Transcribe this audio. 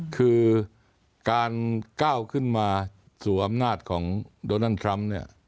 คือการก้าวขึ้นมาสู่อำนาจของโดนัลด์ทรัมป์เนี่ย